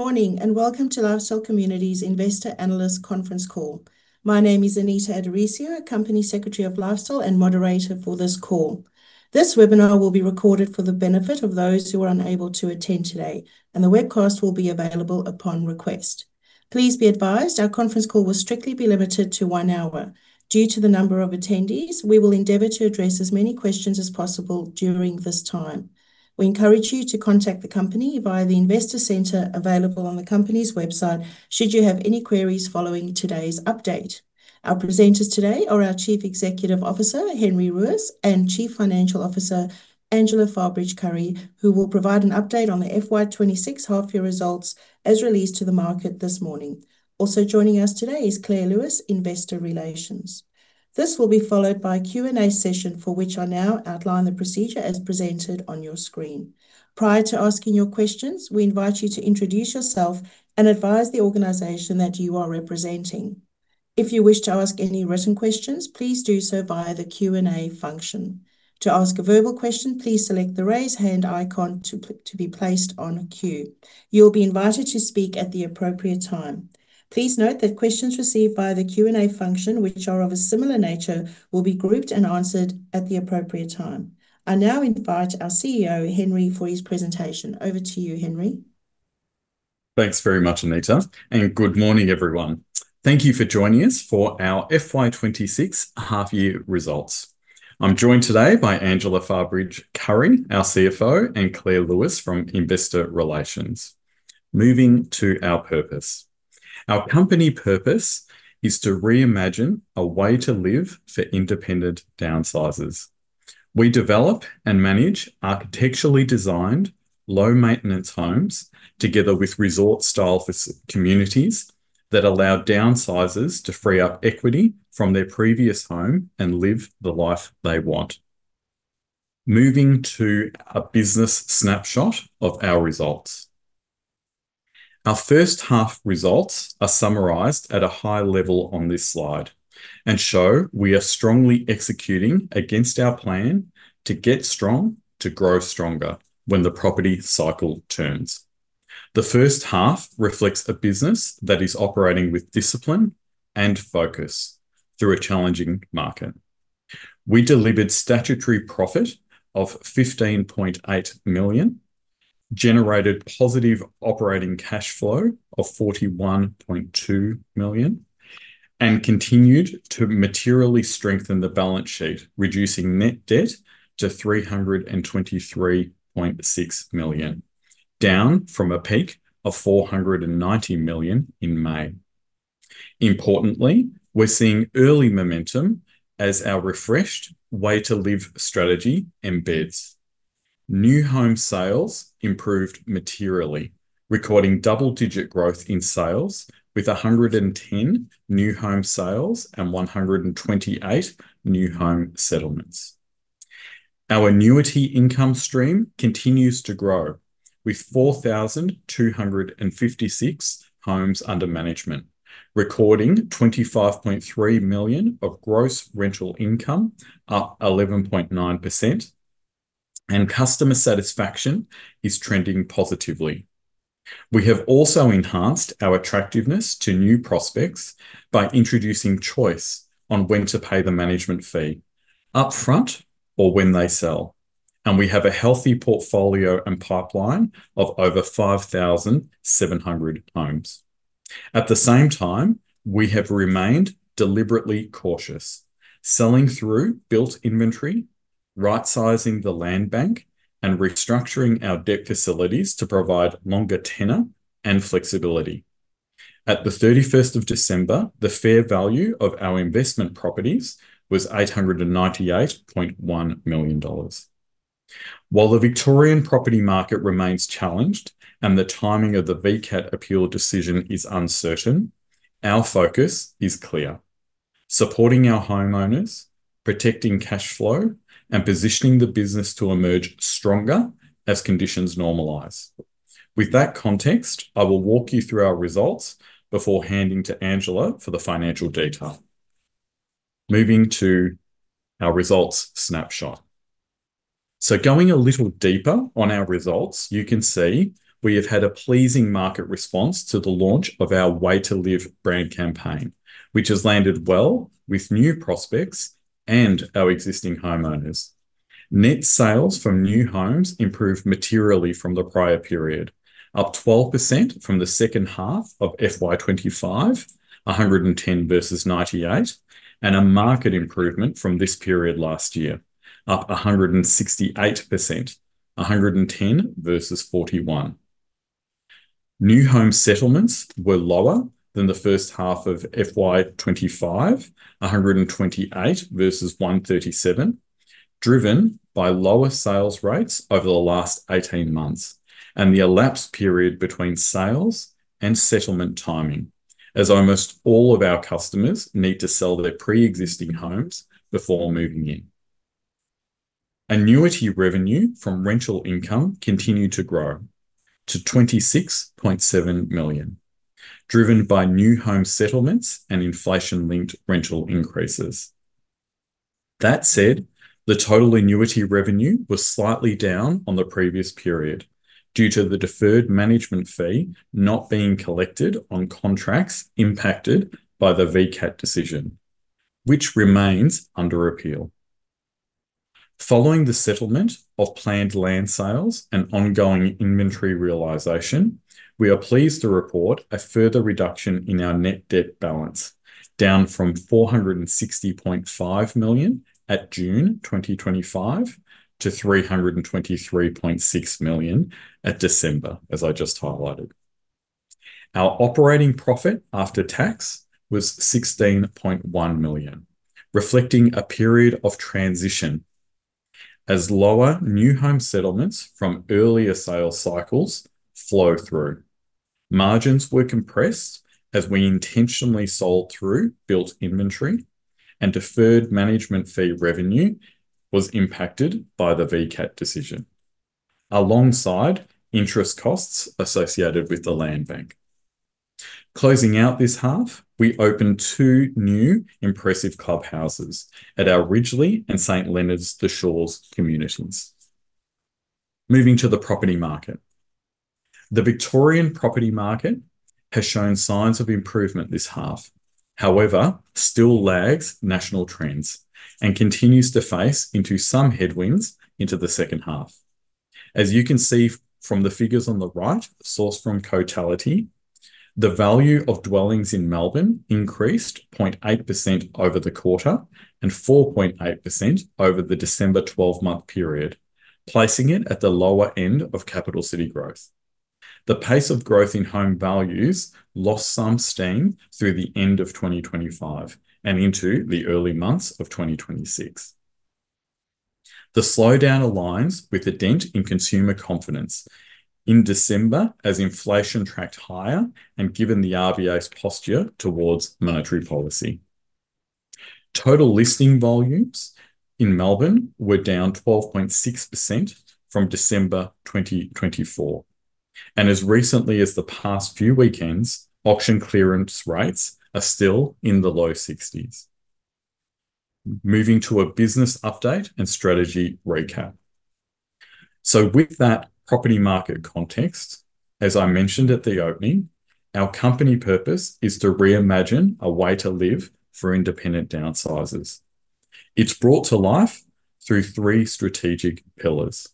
Good morning, and welcome to Lifestyle Communities Investor Analyst Conference Call. My name is Anita Addorisio, Company Secretary of Lifestyle and moderator for this call. This webinar will be recorded for the benefit of those who are unable to attend today, and the webcast will be available upon request. Please be advised, our conference call will strictly be limited to one hour. Due to the number of attendees, we will endeavor to address as many questions as possible during this time. We encourage you to contact the company via the investor center available on the company's website, should you have any queries following today's update. Our presenters today are our Chief Executive Officer, Henry Ruiz, and Chief Financial Officer, Angela Farbridge-Currie, who will provide an update on the FY 2026 half-year results as released to the market this morning. Also joining us today is Clare Lewis, Investor Relations. This will be followed by a Q&A session, for which I'll now outline the procedure as presented on your screen. Prior to asking your questions, we invite you to introduce yourself and advise the organization that you are representing. If you wish to ask any written questions, please do so via the Q&A function. To ask a verbal question, please select the Raise Hand icon to be placed on queue. You'll be invited to speak at the appropriate time. Please note that questions received via the Q&A function, which are of a similar nature, will be grouped and answered at the appropriate time. I now invite our CEO, Henry, for his presentation. Over to you, Henry. Thanks very much, Anita, and good morning, everyone. Thank you for joining us for our FY 2026 half-year results. I'm joined today by Angela Farbridge-Currie, our CFO, and Clare Lewis from Investor Relations. Moving to our purpose. Our company purpose is to reimagine a Way to Live for independent downsizers. We develop and manage architecturally designed, low-maintenance homes, together with resort-style communities that allow downsizers to free up equity from their previous home and live the life they want. Moving to a business snapshot of our results. Our first half results are summarized at a high level on this slide, and show we are strongly executing against our plan to get strong, to grow stronger when the property cycle turns. The first half reflects a business that is operating with discipline and focus through a challenging market. We delivered statutory profit of 15.8 million, generated positive operating cash flow of 41.2 million, and continued to materially strengthen the balance sheet, reducing net debt to AUD 323.6 million, down from a peak of AUD 490 million in May. Importantly, we're seeing early momentum as our refreshed Way to Live strategy embeds. New home sales improved materially, recording double-digit growth in sales, with 110 new home sales and 128 new home settlements. Our annuity income stream continues to grow, with 4,256 homes under management, recording 25.3 million of gross rental income, up 11.9%, and customer satisfaction is trending positively. We have also enhanced our attractiveness to new prospects by introducing choice on when to pay the management fee, upfront or when they sell, and we have a healthy portfolio and pipeline of over 5,700 homes. At the same time, we have remained deliberately cautious, selling through built inventory, right-sizing the land bank, and restructuring our debt facilities to provide longer tenure and flexibility. At the 31st of December, the fair value of our investment properties was 898.1 million dollars. While the Victorian property market remains challenged and the timing of the VCAT appeal decision is uncertain, our focus is clear: supporting our homeowners, protecting cash flow, and positioning the business to emerge stronger as conditions normalize. With that context, I will walk you through our results before handing to Angela for the financial detail. Moving to our results snapshot. So going a little deeper on our results, you can see we have had a pleasing market response to the launch of our Way to Live brand campaign, which has landed well with new prospects and our existing homeowners. Net sales from new homes improved materially from the prior period, up 12% from the second half of FY 2025, 110 versus 98, and a market improvement from this period last year, up 168%, 110 versus 41. New home settlements were lower than the first half of FY 2025, 128 versus 137, driven by lower sales rates over the last 18 months and the elapsed period between sales and settlement timing, as almost all of our customers need to sell their preexisting homes before moving in. Annuity revenue from rental income continued to grow to 26.7 million, driven by new home settlements and inflation-linked rental increases. That said, the total annuity revenue was slightly down on the previous period due to the Deferred Management Fee not being collected on contracts impacted by the VCAT decision, which remains under appeal. Following the settlement of planned land sales and ongoing inventory realization, we are pleased to report a further reduction in our Net Debt Balance, down from 460.5 million at June 2025 to 323.6 million at December, as I just highlighted. Our Operating Profit After Tax was 16.1 million, reflecting a period of transition as lower New Home Settlements from earlier sales cycles flow through. Margins were compressed as we intentionally sold through built inventory, and Deferred Management Fee revenue was impacted by the VCAT decision, alongside interest costs associated with the land bank. Closing out this half, we opened two new impressive clubhouses at our Ridgelea, and St Leonards, The Shores communities. Moving to the property market. The Victorian property market has shown signs of improvement this half. However, still lags national trends and continues to face into some headwinds into the second half. As you can see from the figures on the right, sourced from Cotality, the value of dwellings in Melbourne increased 0.8% over the quarter and 4.8% over the December 12-month period, placing it at the lower end of capital city growth. The pace of growth in home values lost some steam through the end of 2025 and into the early months of 2026. The slowdown aligns with a dent in consumer confidence in December as inflation tracked higher and given the RBA's posture towards monetary policy. Total listing volumes in Melbourne were down 12.6% from December 2024, and as recently as the past few weekends, auction clearance rates are still in the low 60s. Moving to a business update and strategy recap. So with that property market context, as I mentioned at the opening, our company purpose is to reimagine a Way to Live for independent downsizers. It's brought to life through three strategic pillars.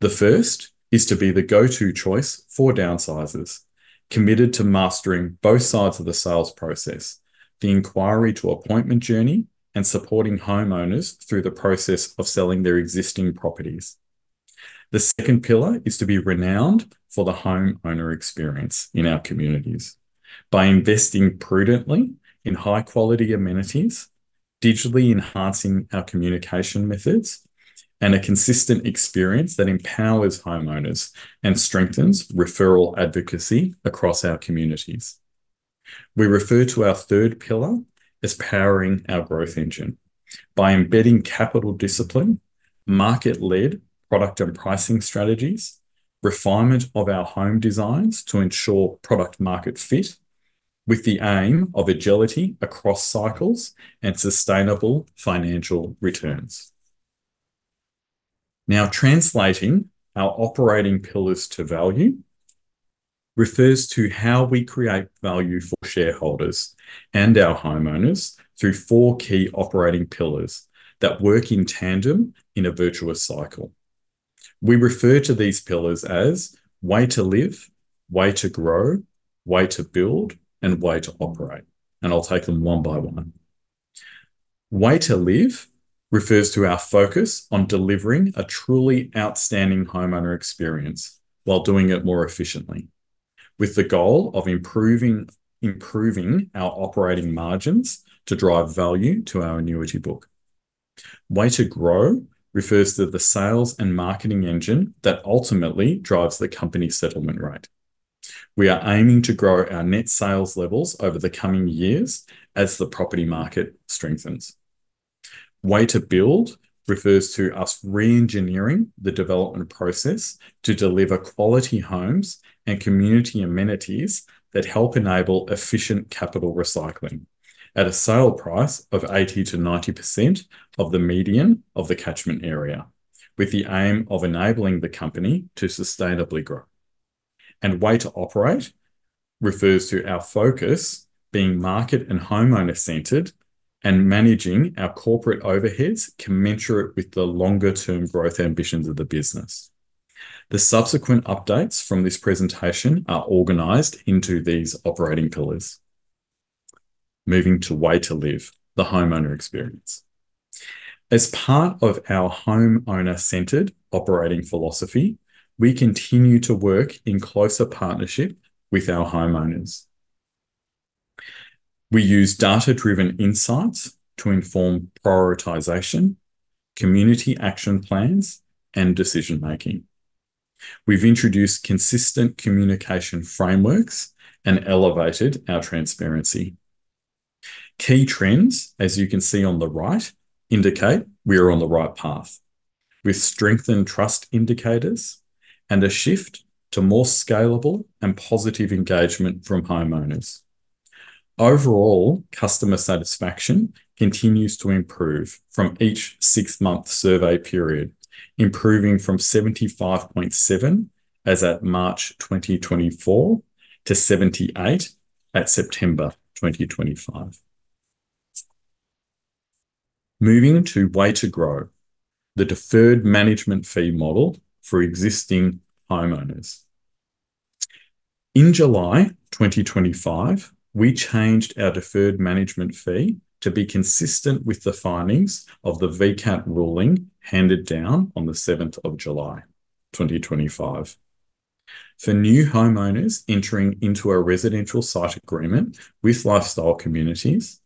The first is to be the go-to choice for downsizers, committed to mastering both sides of the sales process, the inquiry to appointment journey, and supporting homeowners through the process of selling their existing properties. The second pillar is to be renowned for the homeowner experience in our communities by investing prudently in high quality amenities, digitally enhancing our communication methods, and a consistent experience that empowers homeowners and strengthens referral advocacy across our communities. We refer to our third pillar as powering our growth engine by embedding capital discipline, market-led product and pricing strategies, refinement of our home designs to ensure product market fit, with the aim of agility across cycles and sustainable financial returns. Now, translating our operating pillars to value refers to how we create value for shareholders and our homeowners through four key operating pillars that work in tandem in a virtuous cycle. We refer to these pillars as Way to Live, Way to Grow, Way to Build, and Way to Operate, and I'll take them one by one. Way to Live refers to our focus on delivering a truly outstanding homeowner experience while doing it more efficiently, with the goal of improving our operating margins to drive value to our annuity book. Way to Grow refers to the sales and marketing engine that ultimately drives the company settlement rate. We are aiming to grow our net sales levels over the coming years as the property market strengthens. Way to Build refers to us reengineering the development process to deliver quality homes and community amenities that help enable efficient capital recycling at a sale price of 80%-90% of the median of the catchment area, with the aim of enabling the company to sustainably grow. And Way to Operate refers to our focus being market and homeowner centered, and managing our corporate overheads commensurate with the longer term growth ambitions of the business. The subsequent updates from this presentation are organized into these operating pillars. Moving to Way to Live, the homeowner experience. As part of our homeowner-centered operating philosophy, we continue to work in closer partnership with our homeowners. We use data-driven insights to inform prioritization, community action plans, and decision making. We've introduced consistent communication frameworks and elevated our transparency. Key trends, as you can see on the right, indicate we are on the right path... with strengthened trust indicators and a shift to more scalable and positive engagement from homeowners. Overall, customer satisfaction continues to improve from each six-month survey period, improving from 75.7 as at March 2024, to 78 at September 2025. Moving to Way to Grow, the Deferred Management Fee model for existing homeowners. In July 2025, we changed our Deferred Management Fee to be consistent with the findings of the VCAT ruling handed down on the 7th of July 2025. For new homeowners entering into a Residential Site Agreement with Lifestyle Communities,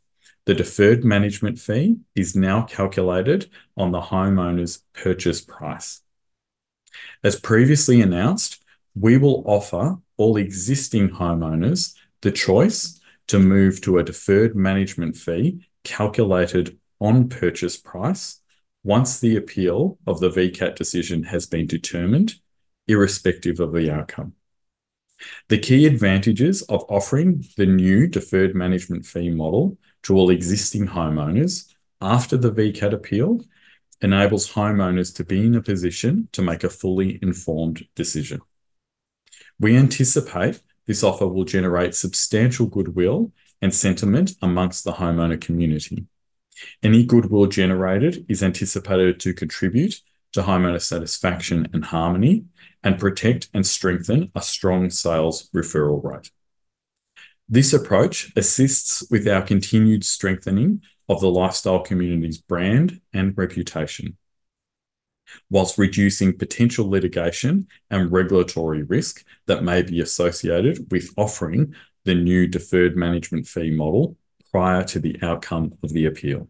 the Deferred Management Fee is now calculated on the homeowner's purchase price. As previously announced, we will offer all existing homeowners the choice to move to a Deferred Management Fee calculated on purchase price once the appeal of the VCAT decision has been determined, irrespective of the outcome. The key advantages of offering the new Deferred Management Fee model to all existing homeowners after the VCAT appeal enables homeowners to be in a position to make a fully informed decision. We anticipate this offer will generate substantial goodwill and sentiment amongst the homeowner community. Any goodwill generated is anticipated to contribute to homeowner satisfaction and harmony and protect and strengthen a strong sales referral rate. This approach assists with our continued strengthening of the Lifestyle Communities' brand and reputation, while reducing potential litigation and regulatory risk that may be associated with offering the new Deferred Management Fee model prior to the outcome of the appeal.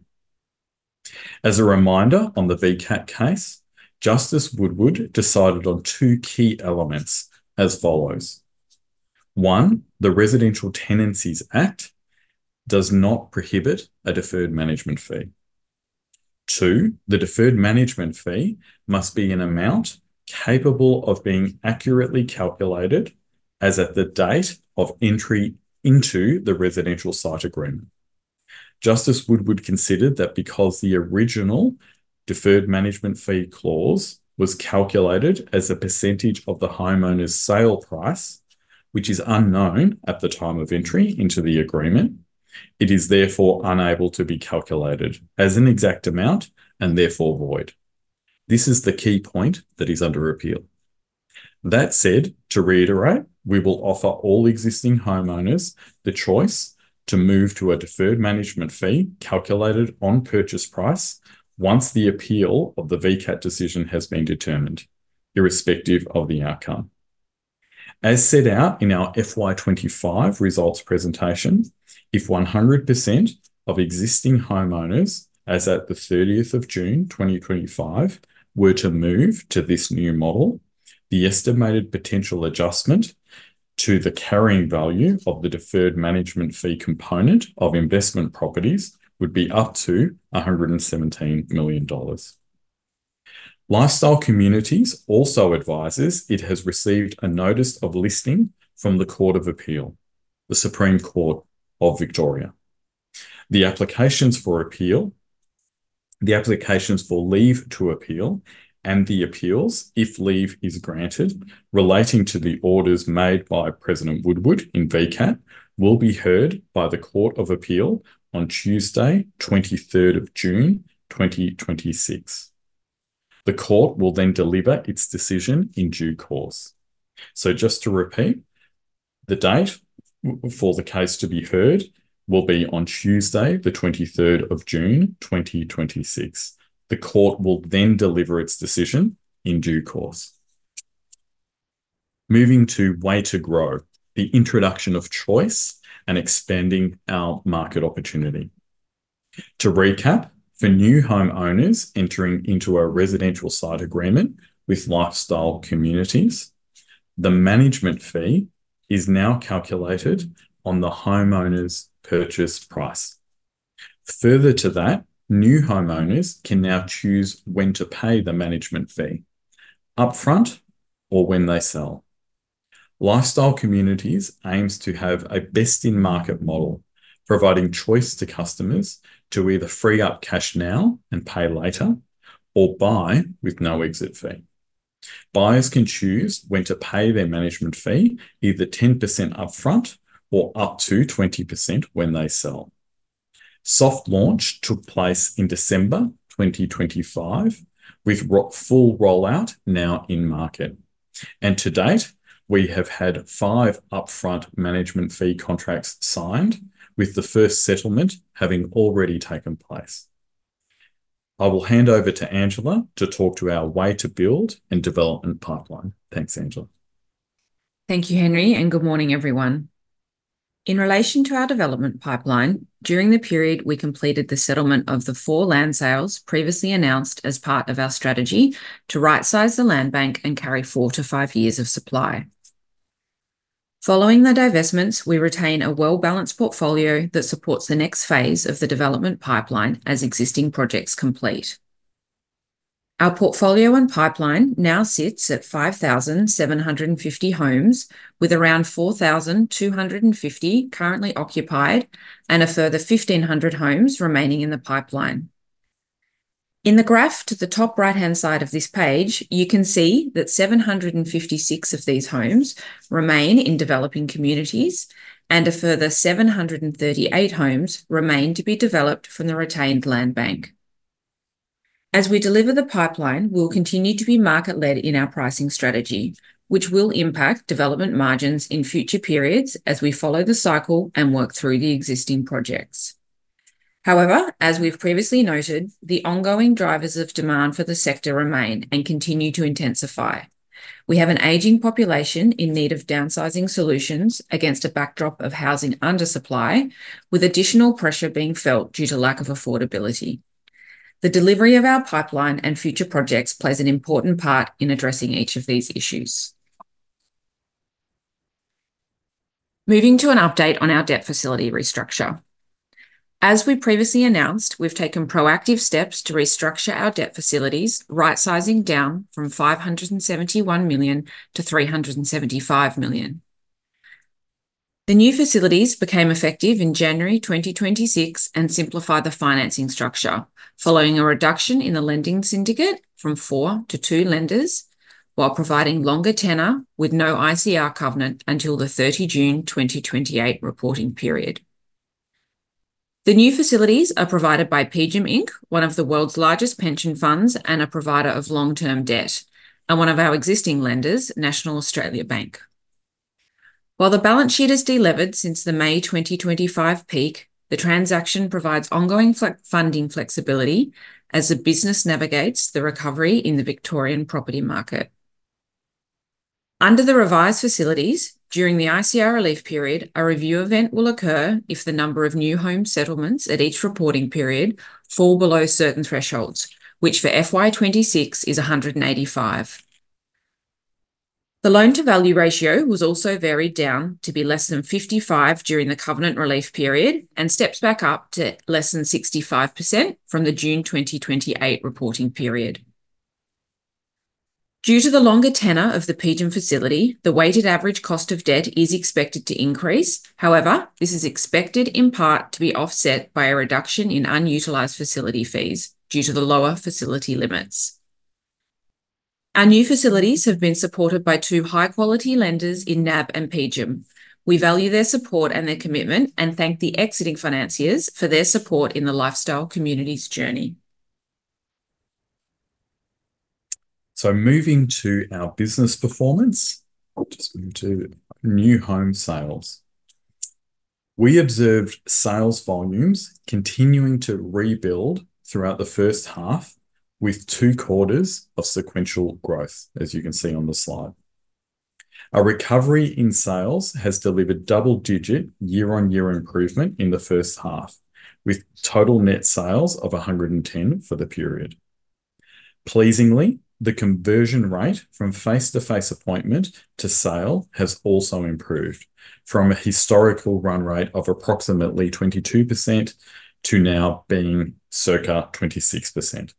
As a reminder, on the VCAT case, Justice Woodward decided on two key elements as follows: One, the Residential Tenancies Act does not prohibit a Deferred Management Fee. Two, the Deferred Management Fee must be an amount capable of being accurately calculated as at the date of entry into the residential site agreement. Justice Woodward considered that because the original Deferred Management Fee clause was calculated as a percentage of the homeowner's sale price, which is unknown at the time of entry into the agreement, it is therefore unable to be calculated as an exact amount and therefore void. This is the key point that is under appeal. That said, to reiterate, we will offer all existing homeowners the choice to move to a Deferred Management Fee calculated on purchase price once the appeal of the VCAT decision has been determined, irrespective of the outcome. As set out in our FY 2025 results presentation, if 100% of existing homeowners, as at the 30th of June 2025, were to move to this new model, the estimated potential adjustment to the carrying value of the Deferred Management Fee component of investment properties would be up to 117 million dollars. Lifestyle Communities also advises it has received a notice of listing from the Court of Appeal, the Supreme Court of Victoria. The applications for appeal, the applications for leave to appeal, and the appeals, if leave is granted, relating to the orders made by President Woodward in VCAT, will be heard by the Court of Appeal on Tuesday, 23rd of June 2026. The Court will then deliver its decision in due course. So just to repeat, the date for the case to be heard will be on Tuesday, the 23rd of June 2026. The Court will then deliver its decision in due course. Moving to Way to Grow, the introduction of choice and expanding our market opportunity. To recap, for new homeowners entering into a Residential Site Agreement with Lifestyle Communities, the management fee is now calculated on the homeowner's purchase price. Further to that, new homeowners can now choose when to pay the management fee, upfront or when they sell. Lifestyle Communities aims to have a best-in-market model, providing choice to customers to either free up cash now and pay later or buy with no exit fee. Buyers can choose when to pay their management fee, either 10% upfront or up to 20% when they sell. Soft launch took place in December 2025, with full rollout now in market, and to date, we have had five upfront management fee contracts signed, with the first settlement having already taken place. I will hand over to Angela to talk to our Way to Build and development pipeline. Thanks, Angela. Thank you, Henry, and good morning, everyone. In relation to our development pipeline, during the period, we completed the settlement of the four land sales previously announced as part of our strategy to rightsize the land bank and carry four-five years of supply. ... Following the divestments, we retain a well-balanced portfolio that supports the next phase of the development pipeline as existing projects complete. Our portfolio and pipeline now sits at 5,750 homes, with around 4,250 currently occupied and a further 1,500 homes remaining in the pipeline. In the graph to the top right-hand side of this page, you can see that 756 of these homes remain in developing communities, and a further 738 homes remain to be developed from the retained land bank. As we deliver the pipeline, we'll continue to be market-led in our pricing strategy, which will impact development margins in future periods as we follow the cycle and work through the existing projects. However, as we've previously noted, the ongoing drivers of demand for the sector remain and continue to intensify. We have an aging population in need of downsizing solutions against a backdrop of housing under supply, with additional pressure being felt due to lack of affordability. The delivery of our pipeline and future projects plays an important part in addressing each of these issues. Moving to an update on our debt facility restructure. As we previously announced, we've taken proactive steps to restructure our debt facilities, right sizing down from 571 million-375 million. The new facilities became effective in January 2026 and simplified the financing structure, following a reduction in the lending syndicate from four to two lenders, while providing longer tenor with no ICR covenant until the 30 June 2028 reporting period. The new facilities are provided by PGIM Inc., one of the world's largest pension funds and a provider of long-term debt, and one of our existing lenders, National Australia Bank. While the balance sheet is de-levered since the May 2025 peak, the transaction provides ongoing funding flexibility as the business navigates the recovery in the Victorian property market. Under the revised facilities, during the ICR relief period, a review event will occur if the number of new home settlements at each reporting period fall below certain thresholds, which for FY 2026 is 185. The loan-to-value ratio was also varied down to be less than 55 during the covenant relief period, and steps back up to less than 65% from the June 2028 reporting period. Due to the longer tenor of the PGIM facility, the weighted average cost of debt is expected to increase. However, this is expected in part to be offset by a reduction in unutilized facility fees due to the lower facility limits. Our new facilities have been supported by two high-quality lenders in NAB and PGIM. We value their support and their commitment and thank the exiting financiers for their support in the Lifestyle Communities journey. Moving to our business performance, I'll just move to new home sales. We observed sales volumes continuing to rebuild throughout the first half, with two quarters of sequential growth, as you can see on the slide. Our recovery in sales has delivered double-digit year-on-year improvement in the first half, with total net sales of 110 for the period. Pleasingly, the conversion rate from face-to-face appointment to sale has also improved, from a historical run rate of approximately 22% to now being circa 26%.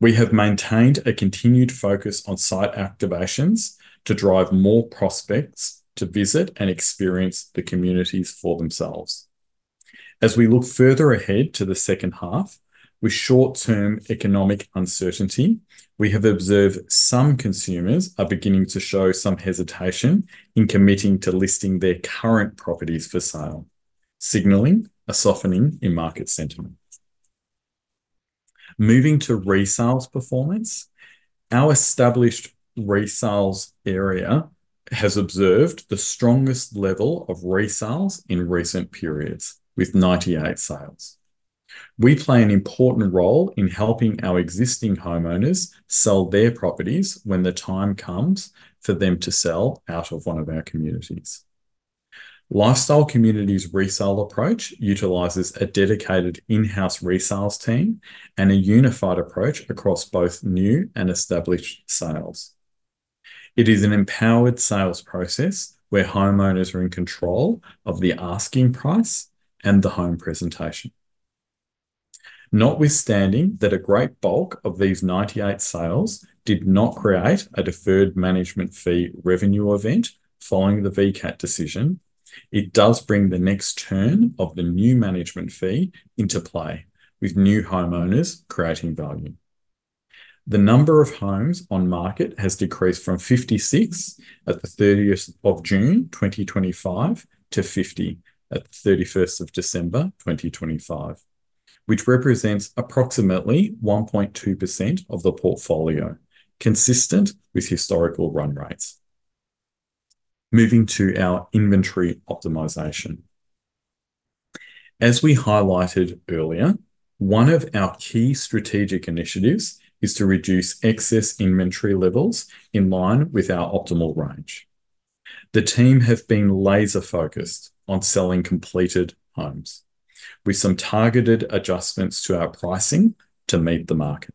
We have maintained a continued focus on site activations to drive more prospects to visit and experience the communities for themselves. As we look further ahead to the second half, with short-term economic uncertainty, we have observed some consumers are beginning to show some hesitation in committing to listing their current properties for sale, signaling a softening in market sentiment. Moving to resales performance, our established resales area has observed the strongest level of resales in recent periods, with 98 sales. We play an important role in helping our existing homeowners sell their properties when the time comes for them to sell out of one of our communities. Lifestyle Communities resale approach utilizes a dedicated in-house resales team and a unified approach across both new and established sales. It is an empowered sales process where homeowners are in control of the asking price and the home presentation. Notwithstanding that a great bulk of these 98 sales did not create a Deferred Management Fee revenue event following the VCAT decision, it does bring the next turn of the new management fee into play, with new homeowners creating value. The number of homes on market has decreased from 56 at the 30th of June 2025 to 50 at the 31st of December 2025, which represents approximately 1.2% of the portfolio, consistent with historical run rates. Moving to our inventory optimization. As we highlighted earlier, one of our key strategic initiatives is to reduce excess inventory levels in line with our optimal range. The team have been laser-focused on selling completed homes, with some targeted adjustments to our pricing to meet the market....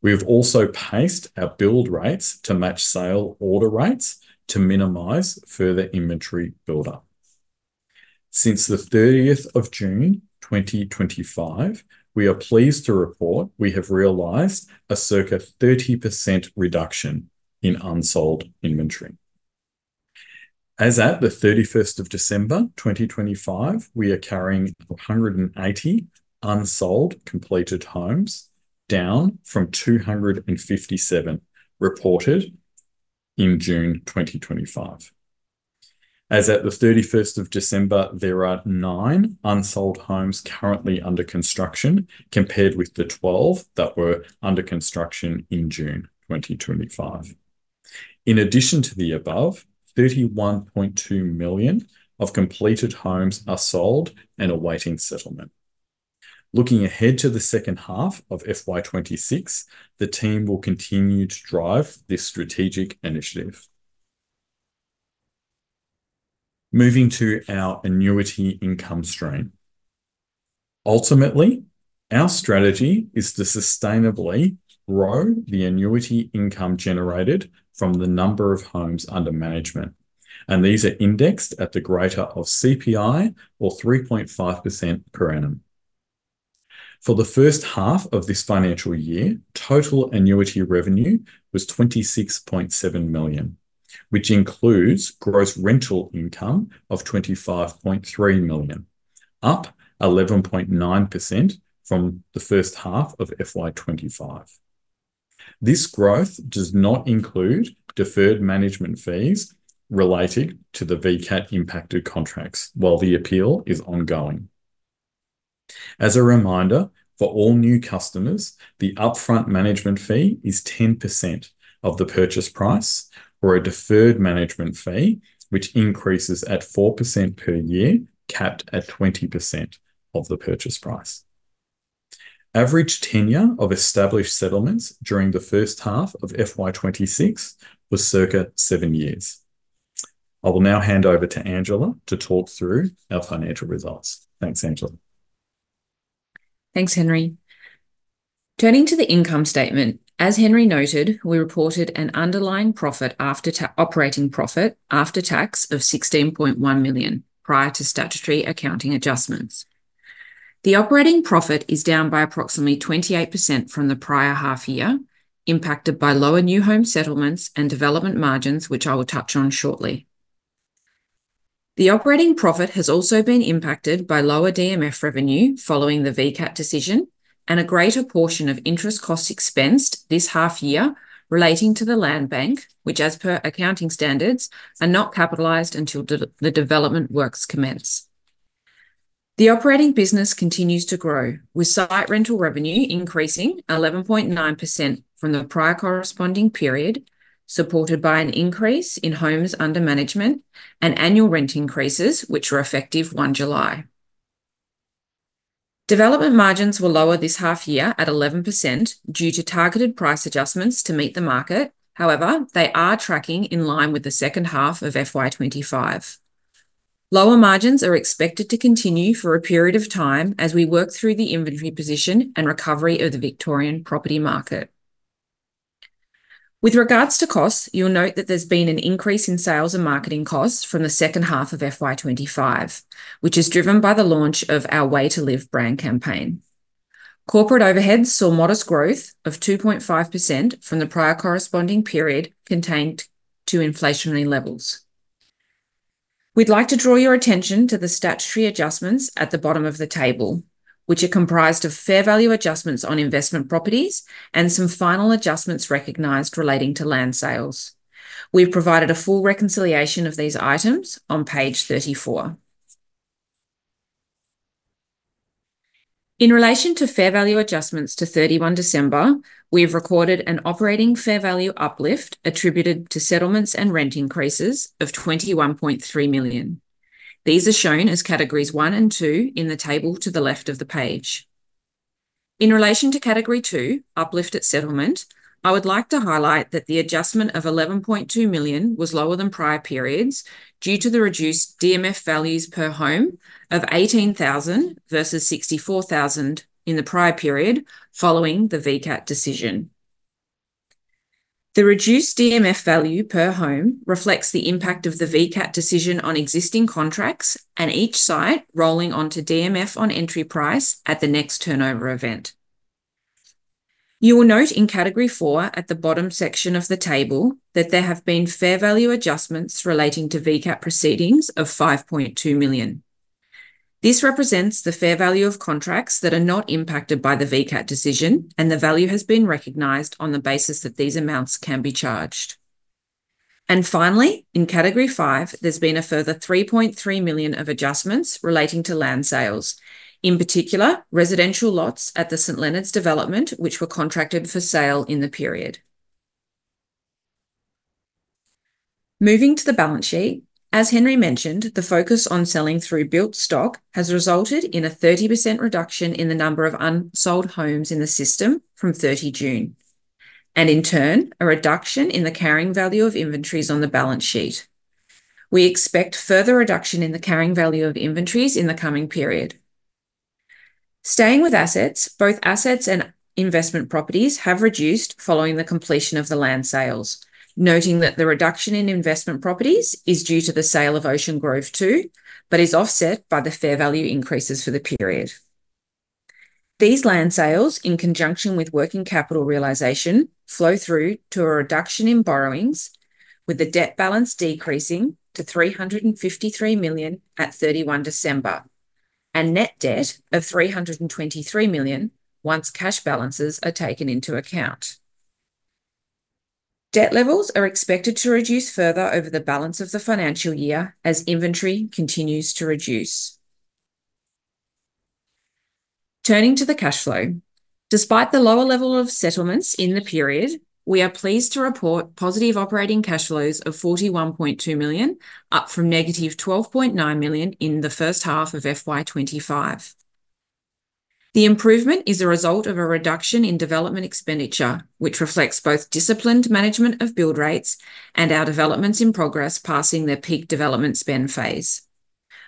We've also paced our build rates to match sale order rates to minimize further inventory buildup. Since the 30th of June, 2025, we are pleased to report we have realized a circa 30% reduction in unsold inventory. As at 31 December 2025, we are carrying 180 unsold completed homes, down from 257 reported in June 2025. As at 31 December, there are nine unsold homes currently under construction, compared with the 12 that were under construction in June 2025. In addition to the above, 31.2 million of completed homes are sold and awaiting settlement. Looking ahead to the second half of FY 2026, the team will continue to drive this strategic initiative. Moving to our annuity income stream. Ultimately, our strategy is to sustainably grow the annuity income generated from the number of homes under management, and these are indexed at the greater of CPI or 3.5% per annum. For the first half of this financial year, total annuity revenue was 26.7 million, which includes gross rental income of 25.3 million, up 11.9% from the first half of FY 2025. This growth does not include Deferred Management Fees relating to the VCAT-impacted contracts, while the appeal is ongoing. As a reminder, for all new customers, the upfront management fee is 10% of the purchase price, or a Deferred Management Fee, which increases at 4% per year, capped at 20% of the purchase price. Average tenure of established settlements during the first half of FY 2026 was circa seven years. I will now hand over to Angela to talk through our financial results. Thanks, Angela. Thanks, Henry. Turning to the income statement, as Henry noted, we reported an underlying profit after Operating Profit After Tax of 16.1 million, prior to statutory accounting adjustments. The operating profit is down by approximately 28% from the prior half year, impacted by lower new home settlements and development margins, which I will touch on shortly. The operating profit has also been impacted by lower DMF revenue following the VCAT decision, and a greater portion of interest costs expensed this half year relating to the land bank, which, as per accounting standards, are not capitalized until the development works commence. The operating business continues to grow, with site rental revenue increasing 11.9% from the prior corresponding period, supported by an increase in homes under management and annual rent increases, which were effective 1 July. Development margins were lower this half year at 11% due to targeted price adjustments to meet the market. However, they are tracking in line with the second half of FY 2025. Lower margins are expected to continue for a period of time as we work through the inventory position and recovery of the Victorian property market. With regards to costs, you'll note that there's been an increase in sales and marketing costs from the second half of FY 2025, which is driven by the launch of our Way to Live brand campaign. Corporate overheads saw modest growth of 2.5% from the prior corresponding period, contained to inflationary levels. We'd like to draw your attention to the statutory adjustments at the bottom of the table, which are comprised of fair value adjustments on investment properties and some final adjustments recognized relating to land sales. We've provided a full reconciliation of these items on page 34. In relation to fair value adjustments to 31 December, we have recorded an operating fair value uplift attributed to settlements and rent increases of 21.3 million. These are shown as categories one and two in the table to the left of the page. In relation to category two, uplift at settlement, I would like to highlight that the adjustment of 11.2 million was lower than prior periods, due to the reduced DMF values per home of 18,000 versus 64,000 in the prior period, following the VCAT decision. The reduced DMF value per home reflects the impact of the VCAT decision on existing contracts, and each site rolling onto DMF on entry price at the next turnover event. You will note in Category four, at the bottom section of the table, that there have been fair value adjustments relating to VCAT proceedings of 5.2 million. This represents the fair value of contracts that are not impacted by the VCAT decision, and the value has been recognized on the basis that these amounts can be charged. And finally, in category five, there's been a further 3.3 million of adjustments relating to land sales, in particular, residential lots at the St Leonards development, which were contracted for sale in the period. Moving to the balance sheet, as Henry mentioned, the focus on selling through built stock has resulted in a 30% reduction in the number of unsold homes in the system from 30 June, and in turn, a reduction in the carrying value of inventories on the balance sheet. We expect further reduction in the carrying value of inventories in the coming period. Staying with assets, both assets and investment properties have reduced following the completion of the land sales, noting that the reduction in investment properties is due to the sale of Ocean Grove Two, but is offset by the fair value increases for the period. These land sales, in conjunction with working capital realization, flow through to a reduction in borrowings, with the debt balance decreasing to 353 million at 31 December, and net debt of 323 million once cash balances are taken into account. Debt levels are expected to reduce further over the balance of the financial year as inventory continues to reduce. Turning to the cash flow, despite the lower level of settlements in the period, we are pleased to report positive operating cash flows of 41.2 million, up from negative 12.9 million in the first half of FY 2025. The improvement is a result of a reduction in development expenditure, which reflects both disciplined management of build rates and our developments in progress passing their peak development spend phase.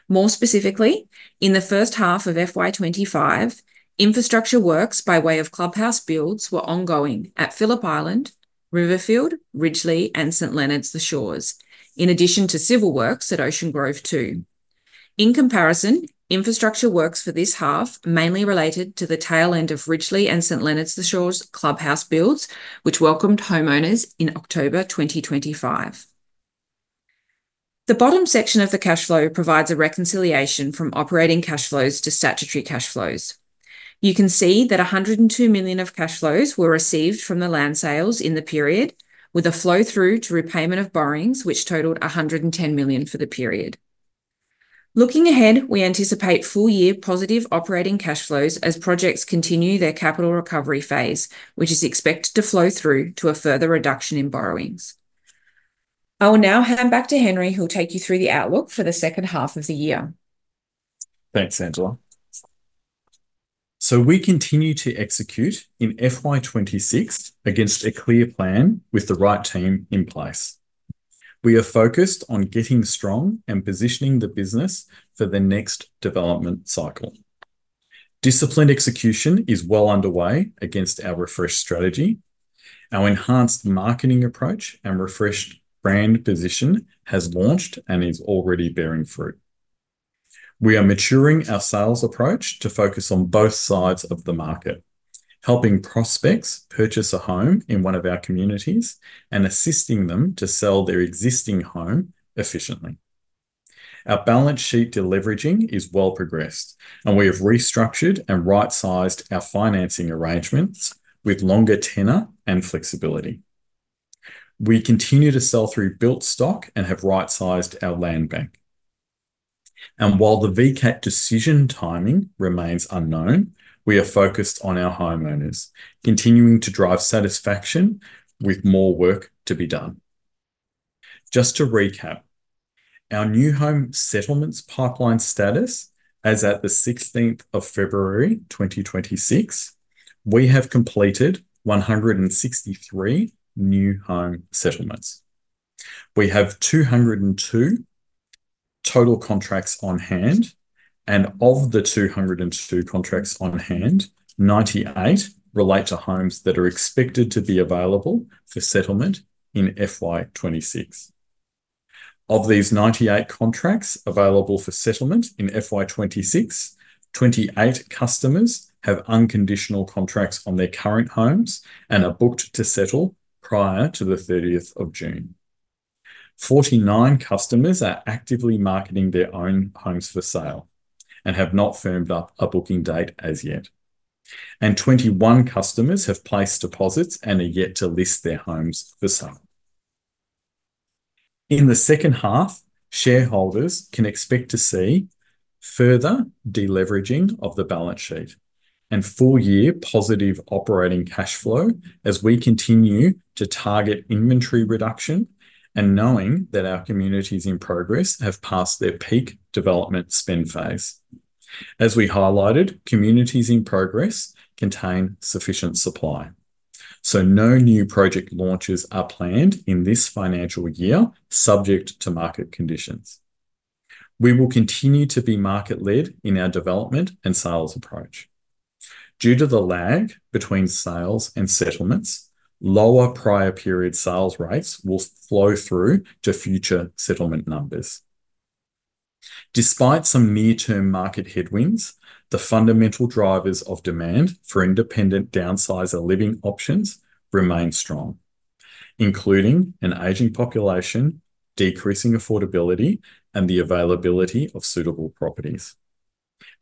More specifically, in the first half of FY 2025, infrastructure works by way of clubhouse builds were ongoing at Phillip Island, Riverfield, Ridgelea, and St Leonards The Shores, in addition to civil works at Ocean Grove Two. In comparison, infrastructure works for this half mainly related to the tail end of Ridgelea and St Leonards The Shores clubhouse builds, which welcomed homeowners in October 2025. The bottom section of the cash flow provides a reconciliation from operating cash flows to statutory cash flows. You can see that 102 million of cash flows were received from the land sales in the period, with a flow through to repayment of borrowings, which totalled 110 million for the period. Looking ahead, we anticipate full-year positive operating cash flows as projects continue their capital recovery phase, which is expected to flow through to a further reduction in borrowings. I will now hand back to Henry, who will take you through the outlook for the second half of the year. Thanks, Angela. So we continue to execute in FY 2026 against a clear plan with the right team in place. We are focused on getting strong and positioning the business for the next development cycle. Disciplined execution is well underway against our refreshed strategy. Our enhanced marketing approach and refreshed brand position has launched and is already bearing fruit. We are maturing our sales approach to focus on both sides of the market, helping prospects purchase a home in one of our communities and assisting them to sell their existing home efficiently. Our balance sheet deleveraging is well progressed, and we have restructured and right-sized our financing arrangements with longer tenure and flexibility. We continue to sell through built stock and have right-sized our land bank. And while the VCAT decision timing remains unknown, we are focused on our homeowners, continuing to drive satisfaction, with more work to be done. Just to recap, our new home settlements pipeline status as at the 16th of February, 2026, we have completed 163 new home settlements. We have 202 total contracts on hand, and of the 202 contracts on hand, 98 relate to homes that are expected to be available for settlement in FY 2026. Of these 98 contracts available for settlement in FY 2026, 28 customers have unconditional contracts on their current homes and are booked to settle prior to the 30th of June. 49 customers are actively marketing their own homes for sale and have not firmed up a booking date as yet. 21 customers have placed deposits and are yet to list their homes for sale. In the second half, shareholders can expect to see further deleveraging of the balance sheet and full-year positive operating cash flow as we continue to target inventory reduction and knowing that our communities in progress have passed their peak development spend phase. As we highlighted, communities in progress contain sufficient supply, so no new project launches are planned in this financial year, subject to market conditions. We will continue to be market-led in our development and sales approach. Due to the lag between sales and settlements, lower prior period sales rates will flow through to future settlement numbers. Despite some near-term market headwinds, the fundamental drivers of demand for independent downsizer living options remain strong, including an aging population, decreasing affordability, and the availability of suitable properties.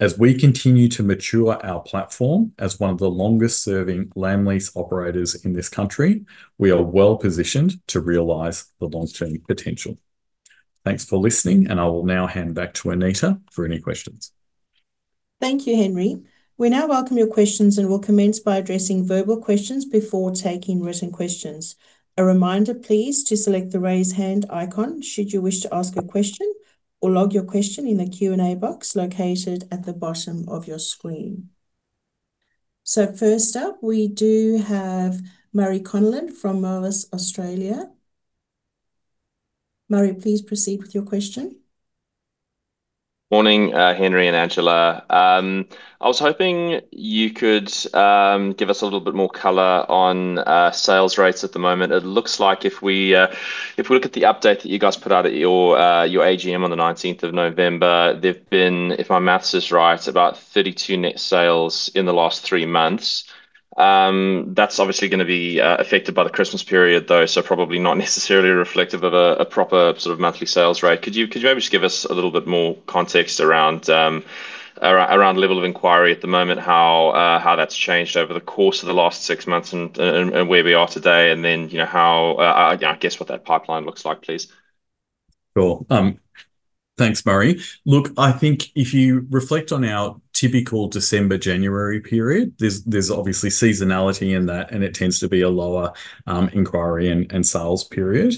As we continue to mature our platform as one of the longest serving land lease operators in this country, we are well positioned to realize the long-term potential. Thanks for listening, and I will now hand back to Anita for any questions. Thank you, Henry. We now welcome your questions, and we'll commence by addressing verbal questions before taking written questions. A reminder, please, to select the Raise Hand icon should you wish to ask a question, or log your question in the Q&A box located at the bottom of your screen.... So first up, we do have Murray Connellan from Moelis Australia. Murray, please proceed with your question. Morning, Henry and Angela. I was hoping you could give us a little bit more color on sales rates at the moment. It looks like if we look at the update that you guys put out at your AGM on the 19th of November, there've been, if my math is right, about 32 net sales in the last three months. That's obviously gonna be affected by the Christmas period, though, so probably not necessarily reflective of a proper sort of monthly sales rate. Could you maybe just give us a little bit more context around the level of inquiry at the moment, how that's changed over the course of the last six months, and where we are today, and then, you know, how I guess what that pipeline looks like, please? Sure. Thanks, Murray. Look, I think if you reflect on our typical December, January period, there's, there's obviously seasonality in that, and it tends to be a lower inquiry and, and sales period.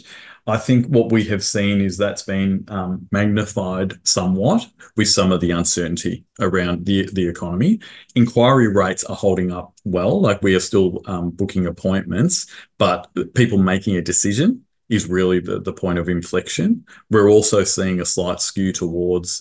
I think what we have seen is that's been magnified somewhat with some of the uncertainty around the, the economy. Inquiry rates are holding up well, like we are still booking appointments, but people making a decision is really the, the point of inflection. We're also seeing a slight skew towards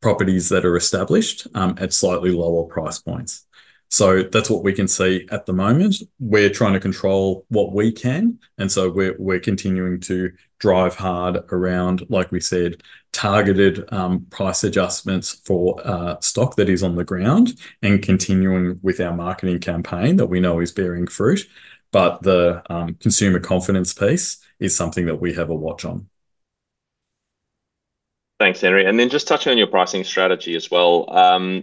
properties that are established at slightly lower price points. So that's what we can see at the moment. We're trying to control what we can, and so we're continuing to drive hard around, like we said, targeted price adjustments for stock that is on the ground and continuing with our marketing campaign that we know is bearing fruit. But the consumer confidence piece is something that we have a watch on. Thanks, Henry. And then just touching on your pricing strategy as well,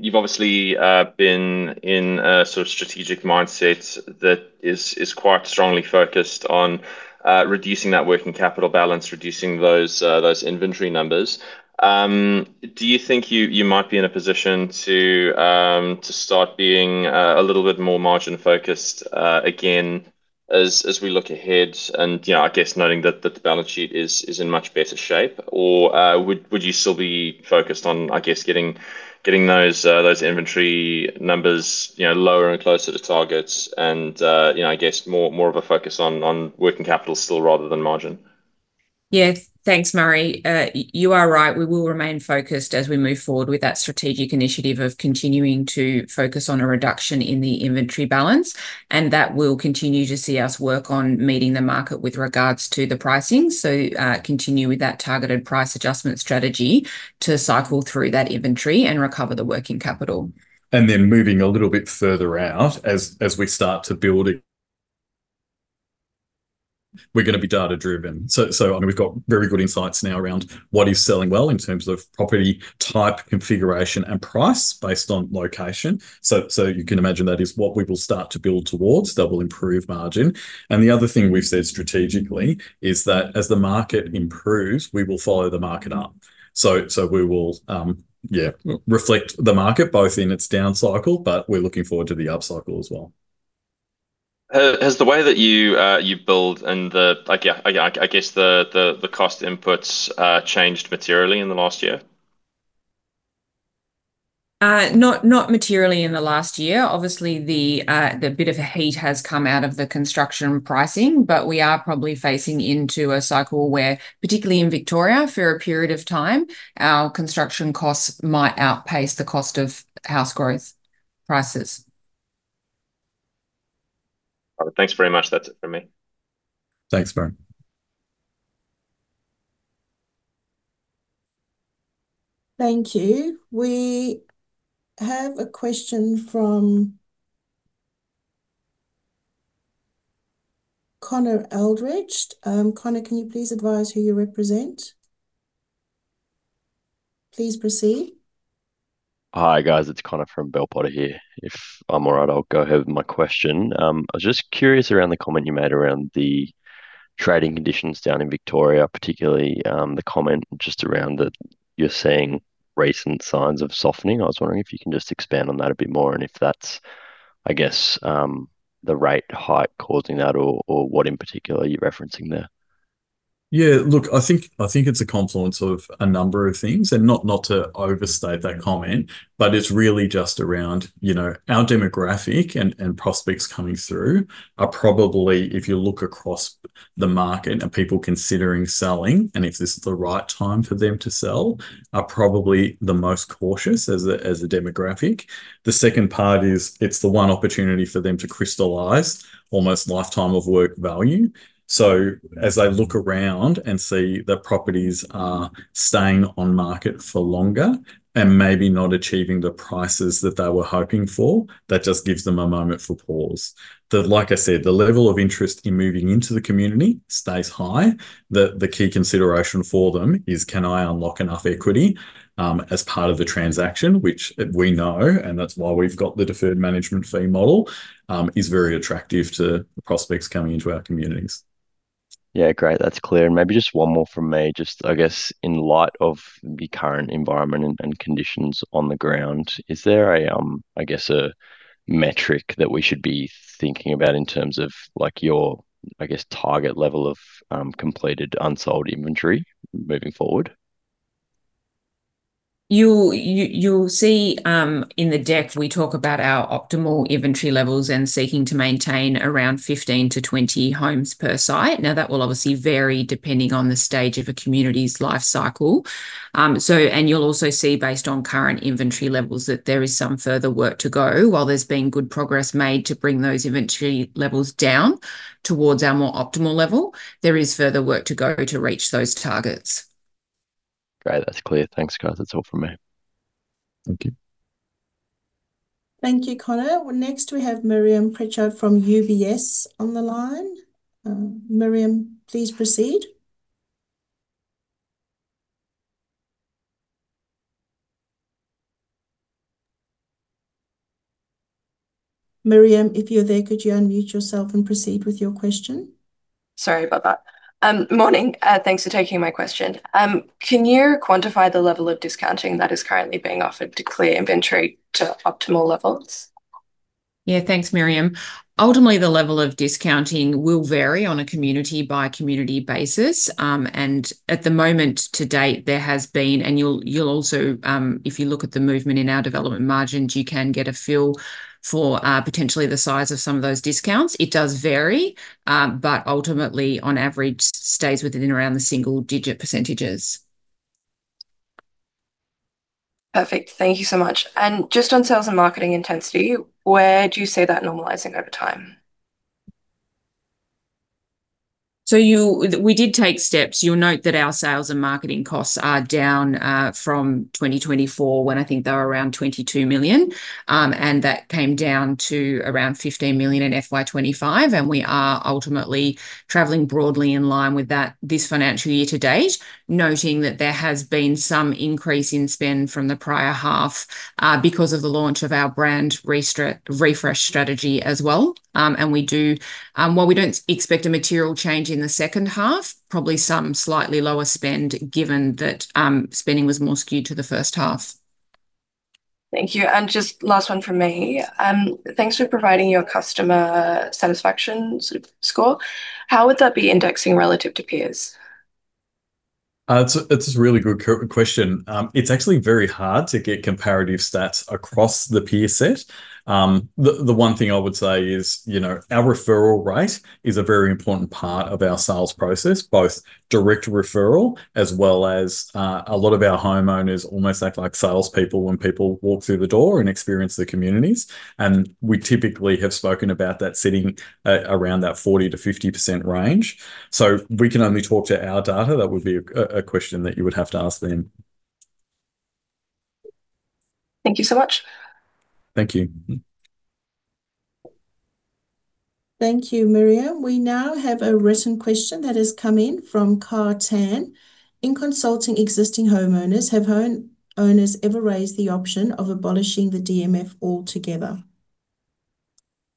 you've obviously been in a sort of strategic mindset that is quite strongly focused on reducing that working capital balance, reducing those inventory numbers. Do you think you might be in a position to start being a little bit more margin-focused again as we look ahead, and you know, I guess noting that the balance sheet is in much better shape? Or would you still be focused on, I guess, getting those inventory numbers you know lower and closer to targets and you know, I guess more of a focus on working capital still, rather than margin? Yeah. Thanks, Murray. You are right. We will remain focused as we move forward with that strategic initiative of continuing to focus on a reduction in the inventory balance, and that will continue to see us work on meeting the market with regards to the pricing. So, continue with that targeted price adjustment strategy to cycle through that inventory and recover the working capital. Then moving a little bit further out, as we start to build it, we're gonna be data-driven. So, I mean, we've got very good insights now around what is selling well in terms of property type, configuration, and price based on location. So you can imagine that is what we will start to build towards. That will improve margin. The other thing we've said strategically is that as the market improves, we will follow the market up. So we will, yeah, reflect the market, both in its down cycle, but we're looking forward to the up cycle as well. Has the way that you build and, like, yeah, I guess the cost inputs changed materially in the last year? Not materially in the last year. Obviously, the bit of heat has come out of the construction pricing, but we are probably facing into a cycle where, particularly in Victoria, for a period of time, our construction costs might outpace the cost of house growth prices. Thanks very much. That's it from me. Thanks, Murray. Thank you. We have a question from Connor Eldridge. Connor, can you please advise who you represent? Please proceed. Hi, guys, it's Connor from Bell Potter here. If I'm all right, I'll go ahead with my question. I was just curious around the comment you made around the trading conditions down in Victoria, particularly, the comment just around that you're seeing recent signs of softening. I was wondering if you can just expand on that a bit more, and if that's, I guess, the rate hike causing that or, or what in particular are you referencing there? Yeah, look, I think it's a confluence of a number of things. Not to overstate that comment, but it's really just around, you know, our demographic and prospects coming through are probably, if you look across the market, and people considering selling and if this is the right time for them to sell, are probably the most cautious as a demographic. The second part is, it's the one opportunity for them to crystallize almost lifetime of work value. As they look around and see the properties are staying on market for longer and maybe not achieving the prices that they were hoping for, that just gives them a moment for pause. Like I said, the level of interest in moving into the community stays high. The key consideration for them is, "Can I unlock enough equity as part of the transaction?" Which we know, and that's why we've got the Deferred Management Fee model is very attractive to prospects coming into our communities. Yeah, great. That's clear. And maybe just one more from me. Just, I guess, in light of the current environment and conditions on the ground, is there a, I guess, a metric that we should be thinking about in terms of, like, your, I guess, target level of completed unsold inventory moving forward? You’ll see in the deck, we talk about our optimal inventory levels and seeking to maintain around 15-20 homes per site. That will obviously vary depending on the stage of a community's life cycle. You’ll also see, based on current inventory levels, that there is some further work to go. While there's been good progress made to bring those inventory levels down towards our more optimal level, there is further work to go to reach those targets. Great, that's clear. Thanks, guys. That's all from me. Thank you. Thank you, Connor. Well, next, we have Miriam Pritchard from UBS on the line. Miriam, please proceed. Miriam, if you're there, could you unmute yourself and proceed with your question? Sorry about that. Morning, thanks for taking my question. Can you quantify the level of discounting that is currently being offered to clear inventory to optimal levels? Yeah, thanks, Miriam. Ultimately, the level of discounting will vary on a community-by-community basis. And at the moment, to date, there has been... And you'll also, if you look at the movement in our development margins, you can get a feel for potentially the size of some of those discounts. It does vary, but ultimately, on average, stays within around the single-digit percentages. Perfect. Thank you so much. Just on sales and marketing intensity, where do you see that normalizing over time? So we did take steps. You'll note that our sales and marketing costs are down from 2024, when I think they were around 22 million. And that came down to around 15 million in FY 2025, and we are ultimately traveling broadly in line with that this financial year to date, noting that there has been some increase in spend from the prior half because of the launch of our brand refresh strategy as well. And we do, while we don't expect a material change in the second half, probably some slightly lower spend, given that spending was more skewed to the first half. Thank you. Just last one from me. Thanks for providing your customer satisfaction sort of score. How would that be indexing relative to peers? It's a really good question. It's actually very hard to get comparative stats across the peer set. The one thing I would say is, you know, our referral rate is a very important part of our sales process, both direct referral as well as a lot of our homeowners almost act like salespeople when people walk through the door and experience the communities. And we typically have spoken about that sitting at around that 40%-50% range. So we can only talk to our data. That would be a question that you would have to ask them. Thank you so much. Thank you. Mm-hmm. Thank you, Miriam. We now have a written question that has come in from Ka Tan: In consulting existing homeowners, have homeowners ever raised the option of abolishing the DMF altogether?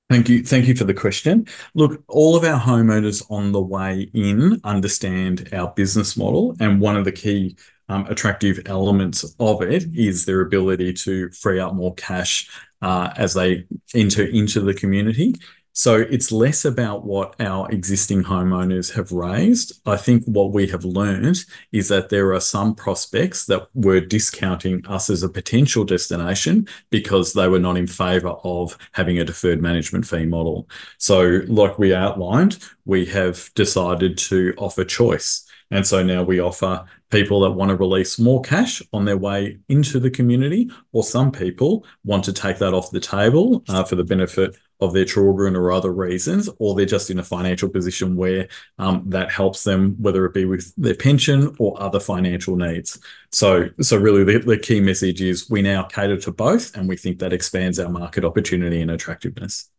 Thank you. Thank you for the question. Look, all of our homeowners on the way in understand our business model, and one of the key, attractive elements of it is their ability to free up more cash, as they enter into the community. So it's less about what our existing homeowners have raised. I think what we have learnt is that there are some prospects that were discounting us as a potential destination because they were not in favor of having a Deferred Management Fee model. So, like we outlined, we have decided to offer choice. And so now we offer people that want to release more cash on their way into the community, or some people want to take that off the table, for the benefit of their children or other reasons, or they're just in a financial position where that helps them, whether it be with their pension or other financial needs. So really, the key message is we now cater to both, and we think that expands our market opportunity and attractiveness.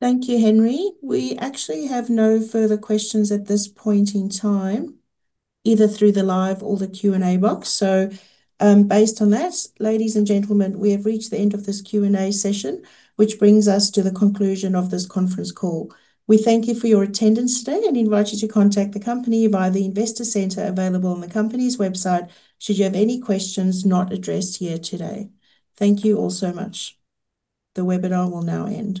Thank you, Henry. We actually have no further questions at this point in time, either through the live or the Q&A box. So, based on that, ladies and gentlemen, we have reached the end of this Q&A session, which brings us to the conclusion of this conference call. We thank you for your attendance today and invite you to contact the company via the investor center available on the company's website, should you have any questions not addressed here today. Thank you all so much. The webinar will now end.